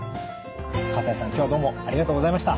西さん今日はどうもありがとうございました。